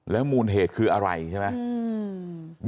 มูลเหตุคืออะไรใช่ไหม